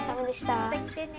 また来てね。